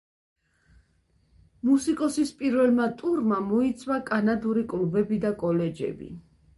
მუსიკოსის პირველმა ტურმა მოიცვა კანადური კლუბები და კოლეჯები.